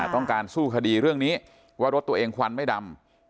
ต้องการสู้คดีเรื่องนี้ว่ารถตัวเองควันไม่ดำ